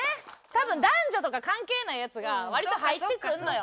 多分男女とか関係ないやつが割と入ってくるのよ。